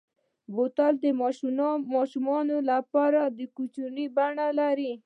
بوتل د ماشومو لپاره کوچنۍ بڼه لري.